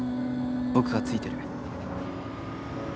僕がついてる。